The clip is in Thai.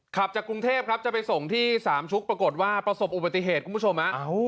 ขับจากกรุงเทพครับจะไปส่งที่สามชุกปรากฏว่าประสบอุบัติเหตุคุณผู้ชม